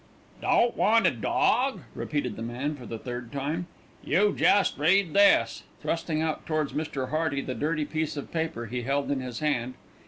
"Don't want a dawg?" repeated the man for the third time. "You jest read this," thrusting out towards Mr. Hearty the dirty piece of paper he held in his hand.